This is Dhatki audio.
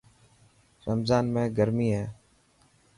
رمضان ۾ گرمي هي.